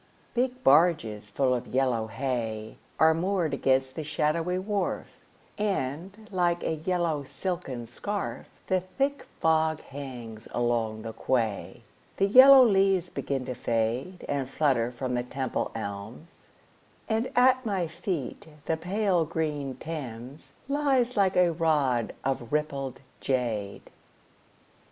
Big barges full of yellow hay Are moored against the shadowy wharf, And, like a yellow silken scarf, The thick fog hangs along the quay. The yellow leaves begin to fade And flutter from the Temple elms, And at my feet the pale green Thames Lies like a rod of rippled jade.